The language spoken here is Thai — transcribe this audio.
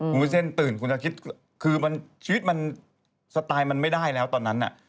คุณวุ้นเส้นตื่นคุณจะคิดคือชีวิตมันสไตล์มันไม่ได้แล้วตอนนั้น